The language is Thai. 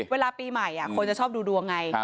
เวลาปีใหม่คนจะชอบดูดวงไง